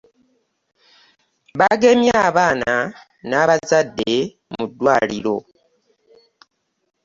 Bagemye abaana n'abazadde muddwaliro .